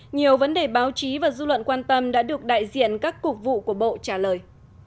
nhiều vấn đề báo chí và dư luận quan tâm đã được đại diện các cục vụ của bộ trả lời